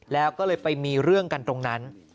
แล้วก็เลยไปมีเรื่องกันตรงนั้น